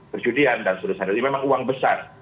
perjudian dan sebagainya memang uang besar